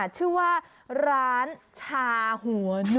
ชื่อว่าร้านชา